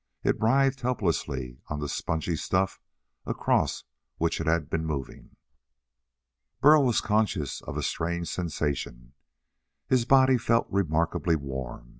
It writhed helplessly on the spongy stuff across which it had been moving. Burl was conscious of a strange sensation. His body felt remarkably warm.